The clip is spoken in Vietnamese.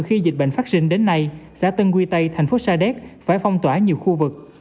khi dịch bệnh phát sinh đến nay xã tân quy tây thành phố sa đéc phải phong tỏa nhiều khu vực